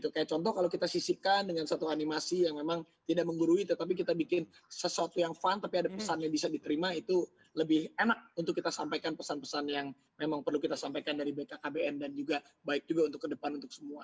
kayak contoh kalau kita sisipkan dengan satu animasi yang memang tidak menggurui tetapi kita bikin sesuatu yang fun tapi ada pesan yang bisa diterima itu lebih enak untuk kita sampaikan pesan pesan yang memang perlu kita sampaikan dari bkkbn dan juga baik juga untuk ke depan untuk semua